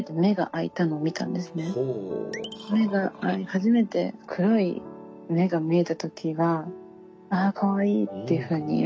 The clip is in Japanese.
初めて黒い目が見えた時は「ああかわいい」っていうふうに。